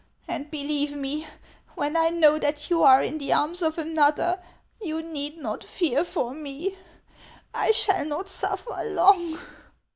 And believe me, when I know that you are in the arms of another, you need not fear for me ; T shall not suffer long."